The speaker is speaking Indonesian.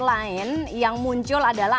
lain yang muncul adalah